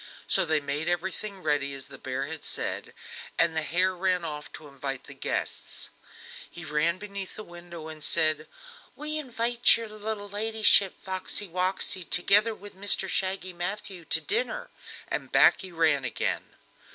So they made everything ready as the bear had said, and the hare ran off to invite the guests. He came beneath the window and said: "We invite your little ladyship Foxey Woxey, together with Mr Shaggy Matthew, to dinner," and back he ran again.